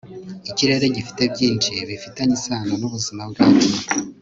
Ikirere gifite byinshi bifitanye isano nubuzima bwacu